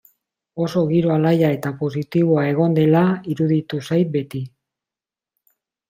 Oso giro alaia eta positiboa egon dela iruditu zait beti.